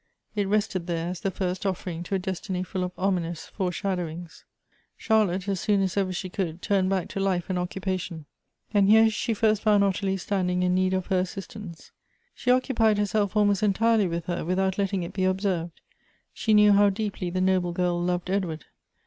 It rested there as the first offering to a des tiny full of ominous foresh ado wings. Charlotte, as soon as ever she could, turned back to life and occupation, and here she first found Ottilie stand ing in need of her assistance. She occupied herself almost entirely with her, without letting it be observed. She knew how deeply the noble girl loved Edward.